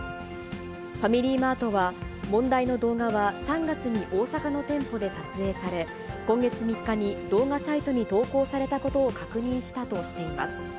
ファミリーマートは、問題の動画は３月に大阪の店舗で撮影され、今月３日に動画サイトに投稿されたことを確認したとしています。